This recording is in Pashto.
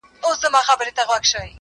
ستا توري باښې غلیمه ټولي مقدسي دي,